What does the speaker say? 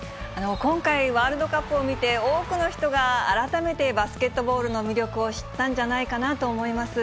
今回、ワールドカップを見て、多くの人が改めてバスケットボールの魅力を知ったんじゃないかなと思います。